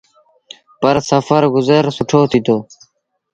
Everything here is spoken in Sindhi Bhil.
پر سڦر گزر سُٺو ٿيٚتو۔